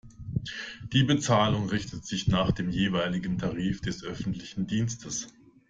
Die Bezahlung richtet sich nach dem jeweiligen Tarif des öffentlichen Dienstes.